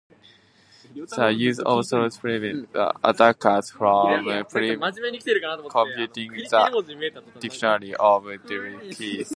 The use of salt prevents the attackers from precomputing a dictionary of derived keys.